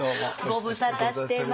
ご無沙汰してます。